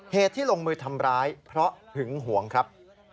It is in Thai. เหตุที่ลงมือทำร้ายเพราะหึงหวงครับ